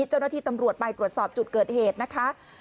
เจ้าหน้าที่ตำรวจไปตรวจสอบจุดเกิดเหตุนะคะ